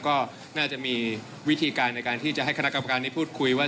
ก็น่าจะมีวิธีการในการที่จะให้คณะกรรมการนี้พูดคุยว่า